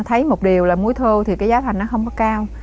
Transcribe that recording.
tôi thấy một điều là muối thô thì giá thành nó không có cao